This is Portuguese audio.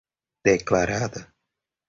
declarada